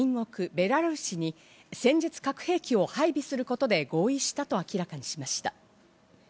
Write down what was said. ベラルーシに戦術核兵器を配備することで合意したと明らかにしました。